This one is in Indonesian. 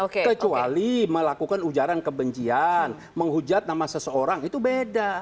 kecuali melakukan ujaran kebencian menghujat nama seseorang itu beda